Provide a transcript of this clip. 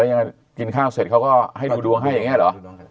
ยังไงกินข้าวเสร็จเขาก็ให้ดูดวงให้อย่างนี้เหรอ